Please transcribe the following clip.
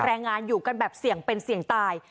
แรงงานอยู่กันแบบเสี่ยงเป็นเสี่ยงตาย